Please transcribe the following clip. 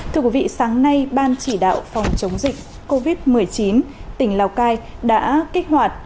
thưa quý vị sáng nay ban chỉ đạo phòng chống dịch covid một mươi chín tỉnh lào cai đã kích hoạt